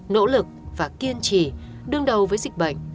nỗ lực và kiên trì đương đầu với dịch bệnh